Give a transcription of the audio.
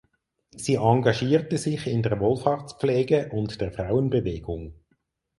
Sie engagierte sich in der Wohlfahrtspflege und der Frauenbewegung.